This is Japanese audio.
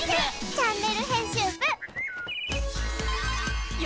チャンネル編集部」へ！